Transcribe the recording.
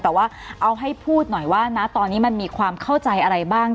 แต่ว่าเอาให้พูดหน่อยว่านะตอนนี้มันมีความเข้าใจอะไรบ้าง